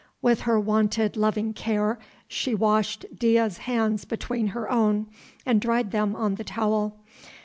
With her wonted loving care she washed Dea's hands between her own and dried them on the towel.